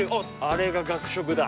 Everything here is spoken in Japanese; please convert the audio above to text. あれが学食だ。